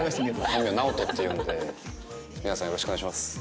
本名ナオトっていうんで皆さんよろしくお願いします。